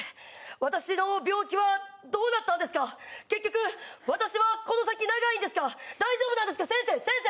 私の病気はどうなったんですか結局私はこの先長いんですか大丈夫なんですか先生先生！